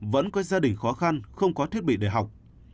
vẫn có gia đình khó khăn không có thiết bị để học